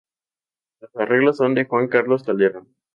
Los arreglos son de Juan Carlos Calderón.